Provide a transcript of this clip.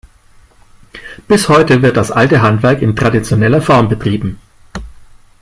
Bis heute wird das alte Handwerk in traditioneller Form betrieben.